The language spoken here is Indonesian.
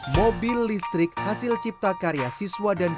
mobil listrik hasil cipta karya siswa dan guru